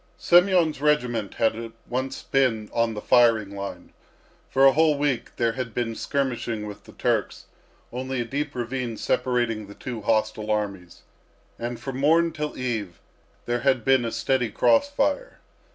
Semyon's regiment had once been on the firing line. For a whole week there had been skirmishing with the Turks, only a deep ravine separating the two hostile armies; and from morn till eve there had been a steady cross fire.